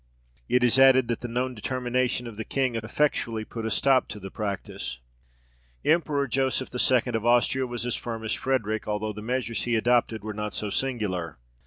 It is added, that the known determination of the king effectually put a stop to the practice. The Emperor Joseph II. of Austria was as firm as Frederick, although the measures he adopted were not so singular.